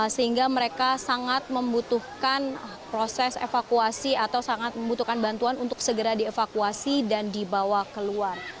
sehingga mereka sangat membutuhkan proses evakuasi atau sangat membutuhkan bantuan untuk segera dievakuasi dan dibawa keluar